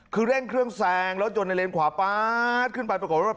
คือเร่งเครื่องแซงรถยนต์ในเลนขวาป๊าดขึ้นไปปรากฏว่า